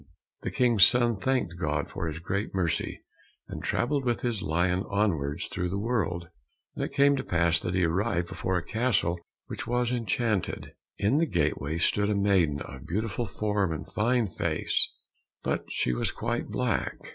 The King's son thanked God for his great mercy, and travelled with his lion onwards through the world. And it came to pass that he arrived before a castle which was enchanted. In the gateway stood a maiden of beautiful form and fine face, but she was quite black.